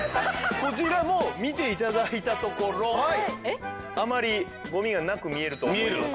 こちらも見て頂いたところあまりゴミがなく見えると思いますので。